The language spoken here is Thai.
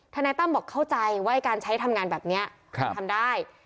นายตั้มบอกเข้าใจว่าการใช้ทำงานแบบนี้ทำได้